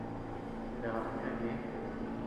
Chiná ama yana ñeʼë.